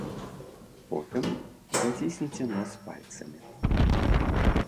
Потым зацісніце нос пальцамі.